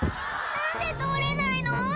何で通れないの？」